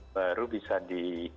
baru bisa di